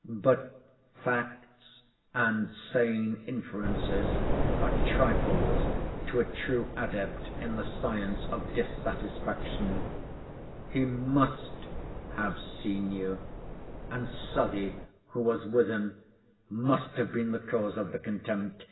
But facts and sane inferences are trifles to a true adept in the science of dissatisfaction. He must have seen you; and S——, who was with him, must have been the cause of the contempt.